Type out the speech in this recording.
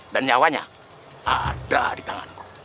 dan nyawanya ada di tanganku